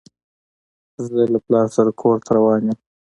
زه له پلار سره کور ته روان يم.